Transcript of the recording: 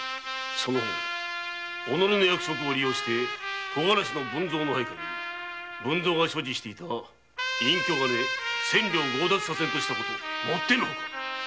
その方己の役職を利用して木枯らしの文造の配下に文造が所持していた隠居金千両を強奪させんとしたこともってのほか！